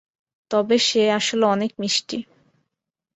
তবে সে আসলে অনেক মিষ্টি।